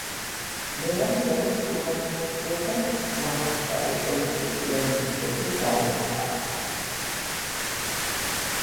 მელამ წერო სტუმრად მიიწვია და მოხარშავი ოსპი სპილენძის თეფშზე დაუსხა.